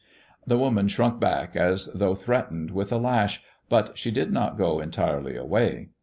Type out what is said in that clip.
The woman shrunk back as though threatened with a lash, but she did not go entirely away.